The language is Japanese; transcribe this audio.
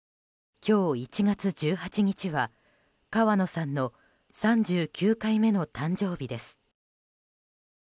今日、１月１８日は川野さんの３９回目の誕生日です。